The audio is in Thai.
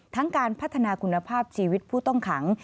การพัฒนาคุณภาพชีวิตผู้ต้องขัง